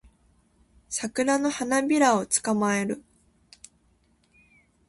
サクラの花びらを捕まえる